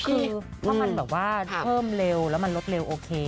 คือถ้ามันแบบว่าเพิ่มเร็วแล้วมันลดเร็วโอเค